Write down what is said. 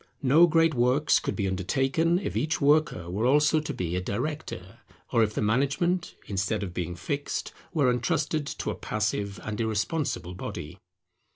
No great works could be undertaken if each worker were also to be a director, or if the management, instead of being fixed, were entrusted to a passive and irresponsible body.